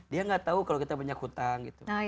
dia nggak tahu kalau kita banyak hutang gitu